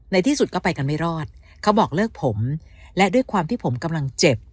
ที่สุดก็ไปกันไม่รอดเขาบอกเลิกผมและด้วยความที่ผมกำลังเจ็บ